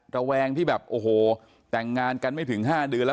ระแวงที่แบบโอ้โหแต่งงานกันไม่ถึง๕เดือนแล้ว